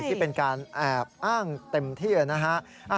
ที่เป็นการแอบอ้างเต็มที่นะฮะ